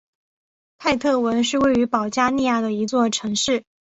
泰特文是位于保加利亚的一座城市。